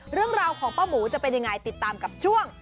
เรื่องราวของป้าหมูจะเป็นยังไงติดตามกับช่วง